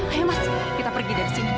ayo mas kita pergi dari sini